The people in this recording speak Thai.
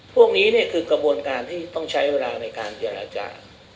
พวกนี้คือกระบวนการที่ต้องใช้เวลาในการเจรจา